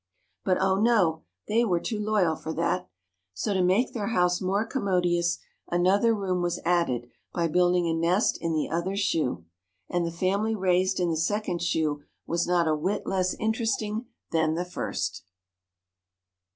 But O, no, they were too loyal for that, so to make their house more commodious, another room was added by building a nest in the other shoe. And the family raised in the second shoe was not a whit less interesting than the first.